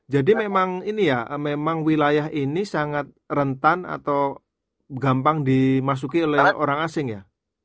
jadi memang ini ya memang wilayah ini sangat rentan atau gampang dimasuki oleh orang asing ya